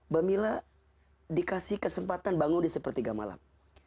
babila dikasih kesempatan bangun di sepertiga malam